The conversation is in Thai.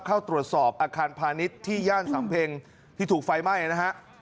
เข้าตรวจสอบอาคารพาณิชย์ที่ย่านสำเพ็งที่ถูกไฟไหม้นะฮะ